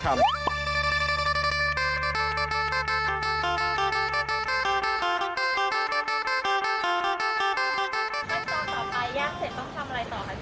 แล้วต่อต่อไปย่างเสร็จต้องทำอะไรต่อครับ